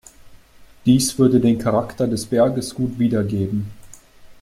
Dies würde den Charakter des Berges gut wiedergeben.